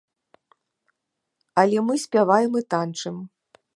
Але мы спяваем і танчым!